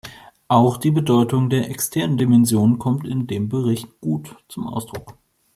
Auch die Bedeutung der externen Dimension kommt in dem Bericht gut zum Ausdruck.